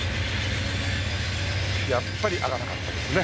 やっぱり開かなかったですね。